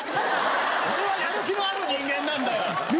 俺はやる気のある人間なんだよ！